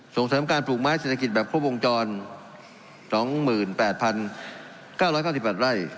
ส่งเสริมการปลูกไม้เศรษฐกิจแบบครบวงจร๒๘๙๙๘ไร่